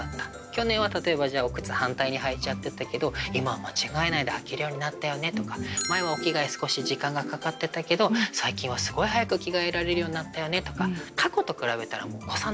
去年は例えばお靴反対に履いちゃってたけど今は間違えないで履けるようになったよねとか前はお着替え少し時間がかかってたけど最近はすごい早く着替えられるようになったよねとか。